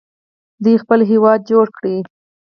دوی خپل هیواد جوړ کړ.